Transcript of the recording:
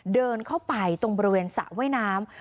เดินเข้าไปตรงบริเวณสระว่ายน้ำ